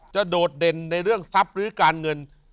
โดดเด่นในเรื่องทรัพย์หรือการเงิน